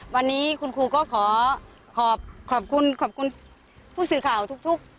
วันนี้คุณครูก็ขอขอบคุณขอบคุณผู้สื่อข่าวทุก